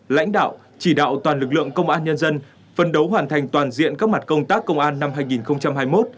lãnh đạo chỉ đạo toàn lực lượng công an nhân dân phân đấu hoàn thành toàn diện các mặt công tác công an năm hai nghìn hai mươi một